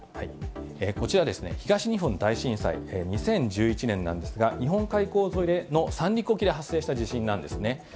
こちら、東日本大震災２０１１年なんですが、日本海溝沿いの三陸沖で発生した地震なんですね。